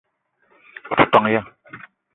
O te ton ya?